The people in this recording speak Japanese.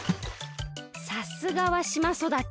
さすがはしまそだち。